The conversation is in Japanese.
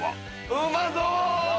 うまそう！